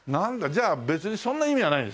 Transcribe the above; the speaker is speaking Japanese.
じゃあ別にそんな意味はないですね？